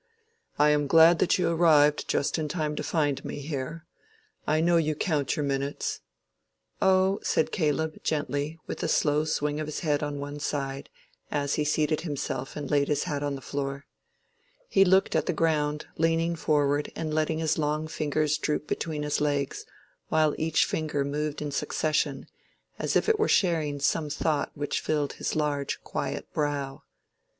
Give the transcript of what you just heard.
"I am glad that you arrived just in time to find me here. I know you count your minutes." "Oh," said Caleb, gently, with a slow swing of his head on one side, as he seated himself and laid his hat on the floor. He looked at the ground, leaning forward and letting his long fingers droop between his legs, while each finger moved in succession, as if it were sharing some thought which filled his large quiet brow.